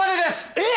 えっ！？